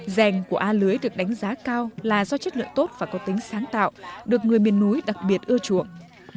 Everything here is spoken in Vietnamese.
rèn của a lưới được đánh giá cao là do chất lượng tốt và có tính sáng tạo được người miền núi đặc biệt ưa chuộng